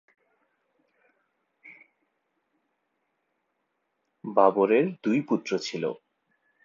বাবরের দুই পুত্র ছিল।